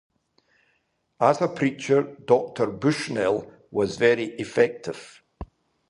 As a preacher, Doctor Bushnell was very effective.